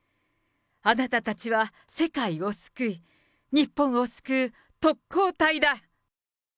あなたたちは世界を救い、日本を救う特攻隊だ。